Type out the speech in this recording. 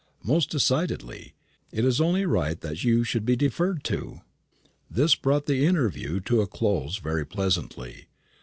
"Most decidedly. It is only right that you should be deferred to." This brought the interview to a close very pleasantly.